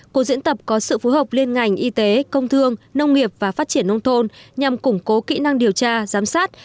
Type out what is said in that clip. cuộc diễn tập có sự phối hợp liên ngành y tế công thương nông nghiệp và phát triển nông thôn nhằm củng cố kỹ năng điều tra giám sát